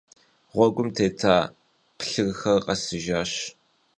Гъуэгум тета плъырхэр къэсыжащ.